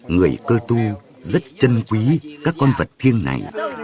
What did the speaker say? người cơ tu rất chân quý các con vật thiêng này